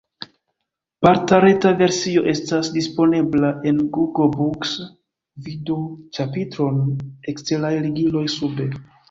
Parta reta versio estas disponebla en Google Books (vidu ĉapitron "Eksteraj ligiloj" sube).